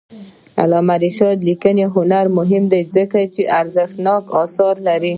د علامه رشاد لیکنی هنر مهم دی ځکه چې ارزښتناک آثار لري.